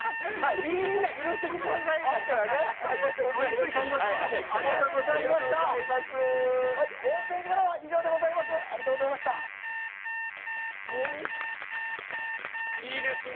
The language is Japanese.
みんな許してくださいますからね。